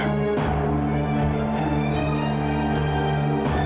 tidak ada apa apa